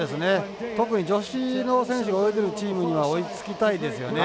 特に女子の選手が泳いでいるチームには追いつきたいですよね。